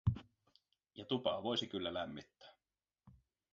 Ja tupaa voisi kyllä lämmittää.